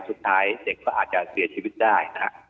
สุดท้ายเด็กก็อาจจะเสียชีวิตได้นะฮะ